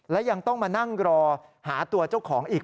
และยังต้องมานั่งรอหาตัวเจ้าของอีก